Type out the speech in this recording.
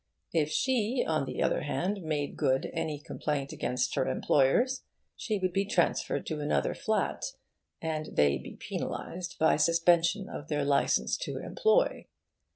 If she, on the other hand, made good any complaint against her employers, she would be transferred to another flat, and they be penalised by suspension of their license to employ.